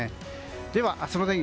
では明日の天気